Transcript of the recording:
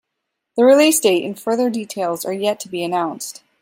The release date and further details are yet to be announced.